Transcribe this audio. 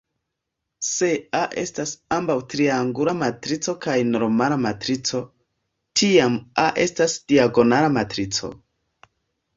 Se "A" estas ambaŭ triangula matrico kaj normala matrico, tiam "A" estas diagonala matrico.